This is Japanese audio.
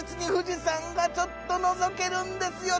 がちょっとのぞけるんですよ